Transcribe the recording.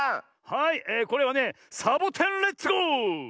はいこれはね「サボテンレッツゴー」！